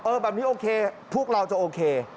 แบบนี้โอเคพวกเราจะโอเค